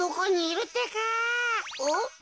おっ？